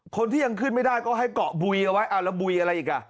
คนที่ยังขึ้นไม่ได้ก็ให้เกาะบุยเอาไว้แล้วบุยอะไรอีกอ่ะ